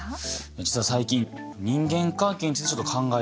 実は最近人間関係についてちょっと考えてるんですよね。